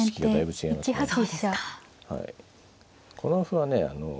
この歩はね